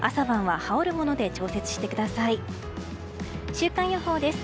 週間予報です。